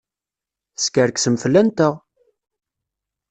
Teskerksem fell-anteɣ!